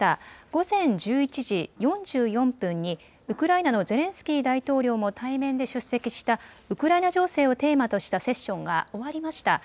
午前１１時４４分にウクライナのゼレンスキー大統領も対面で出席した、ウクライナ情勢をテーマとしたセッションが終わりました。